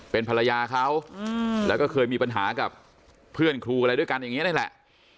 เป็นภรรยาเขาแล้วก็เคยมีปัญหากับเพื่อนครูอะไรด้วยกันอย่างนี้นี่แหละ